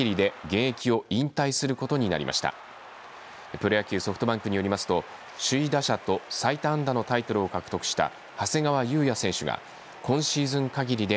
プロ野球ソフトバンクによりますと首位打者と最多安打のタイトルを獲得した長谷川勇也選手が今シーズンかぎりで